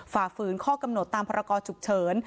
ฝ่าฝืนข้อกำหนดตามพรกรฉุกเฉิน